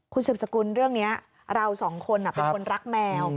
คุณสืบสกุลเรื่องนี้เราสองคนเป็นคนรักแมว